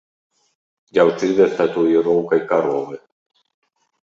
Дзяўчына з татуіроўкай каровы.